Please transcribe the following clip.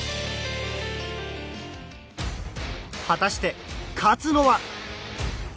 果たして勝つのは。